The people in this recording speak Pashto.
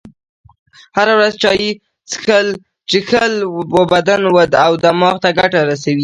هره ورځ چایی چیښل و بدن او دماغ ته ګټه رسوي.